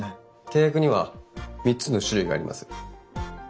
契約には３つの種類があります。